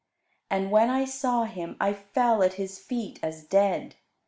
And when I saw him, I fell at his feet as dead.